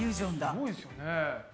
すごいですよね。